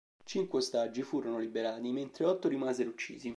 Cinque ostaggi furono liberati, mentre otto rimasero uccisi.